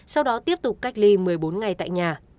sau đó tiếp tục cách ly một mươi bốn ngày tại nhà